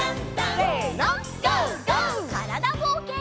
からだぼうけん。